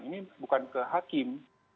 ini bukan ke hakim